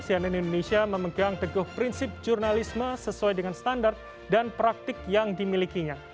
cnn indonesia memegang teguh prinsip jurnalisme sesuai dengan standar dan praktik yang dimilikinya